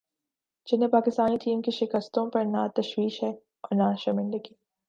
جنہیں پاکستانی ٹیم کی شکستوں پر نہ تشویش ہے اور نہ شرمندگی ۔